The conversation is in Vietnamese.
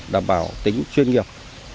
đảm bảo tính chuyên nghiệp